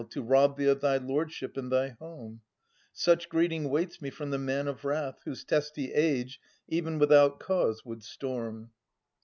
To rob thee of thy lordship and thy home ? Such greeting waits me from the man of wrath, Whose testy age even without cause would storm.